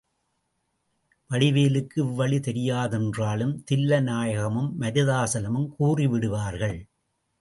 வடிவேலுக்கு இவ்வழி தெரியாதென்றாலும் தில்லை நாயகமும், மருதாசலமும் கூறி விடுவார்கள்.